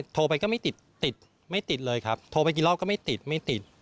โทรไปก็ไม่ติดเลยครับโทรไปกี่รอบก็ไม่ติด